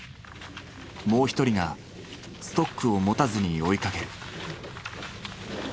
もう一人がストックを持たずに追いかける。